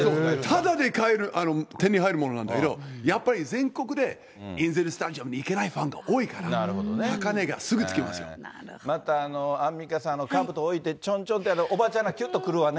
ただで手に入るものなんだけど、やっぱり全国で、エンゼルススタジアムに行けないファンが多いから、高値がすぐつまた、アンミカさん、かぶと置いて、ちょんちょんって、おばちゃんがきゅっとくるわな。